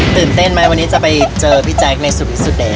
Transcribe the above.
ตื่นเต้นไหมวันนี้จะไปเจอพี่แจ๊คในสุดเดช